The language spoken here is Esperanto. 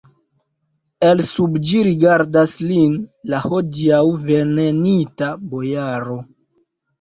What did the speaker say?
El sub ĝi rigardas lin la hodiaŭ venenita bojaro.